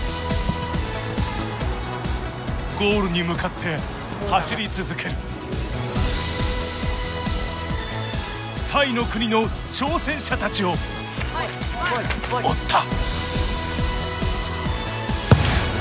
ゴールに向かって走り続ける彩の国の挑戦者たちを追った！